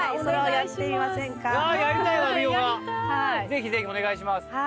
ぜひぜひお願いします。